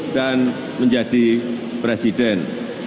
dan menjadi presiden